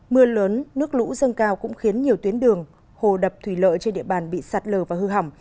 mưa lớn nước lũ dâng cao cũng khiến nhiều tuyến đường hồ đập thủy lợi trên địa bàn bị sạt lở và hư hỏng